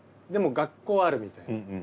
でも学校はあるみたいな。